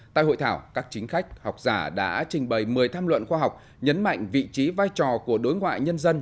tại hội thảo các chính khách học giả đã trình bày một mươi tham luận khoa học nhấn mạnh vị trí vai trò của đối ngoại nhân dân